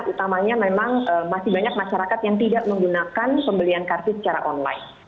utamanya memang masih banyak masyarakat yang tidak menggunakan pembelian kartu secara online